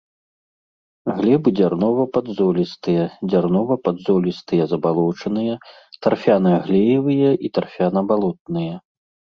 Глебы дзярнова-падзолістыя, дзярнова-падзолістыя забалочаныя, тарфяна-глеевыя і тарфяна-балотныя.